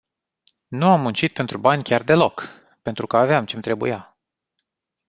Nu am muncit pentru bani chiar deloc, pentru că aveam ce-mi trebuia.